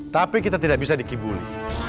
tapi kita tidak bisa dikibuli